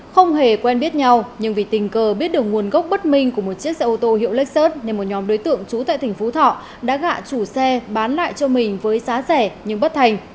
không hề quen biết nhau nhưng vì tình cờ biết được nguồn gốc bất minh của một chiếc xe ô tô hiệu lách sơn nên một nhóm đối tượng trú tại tỉnh phú thọ đã gạ chủ xe bán lại cho mình với giá rẻ nhưng bất thành